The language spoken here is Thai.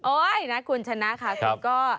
โอ้ยน้าคุณชนะค่ะคือก็